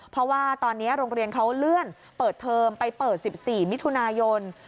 เพราะว่าตอนนี้โรงเรียนเขาเลื่อนเปิดเทอมไปเปิด๑๔มิถุนายน